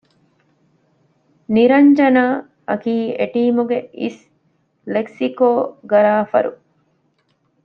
ނިރަންޖަނާ އަކީ އެޓީމުގެ އިސް ލެކްސިކޯގަރާފަރު